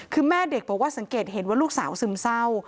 คือแม่เด็กบอกว่าสังเกตเห็นว่าลูกสาวซึมเศร้า